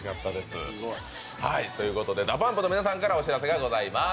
ＤＡＰＵＭＰの皆さんからお知らせがございます。